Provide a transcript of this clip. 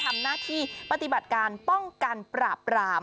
ทำหน้าที่ปฏิบัติการป้องกันปราบราม